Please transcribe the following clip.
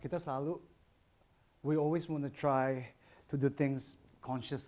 kita selalu ingin mencoba untuk melakukan hal secara konsumen